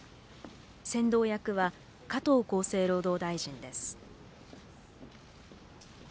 先導役は加藤厚生労働大臣です。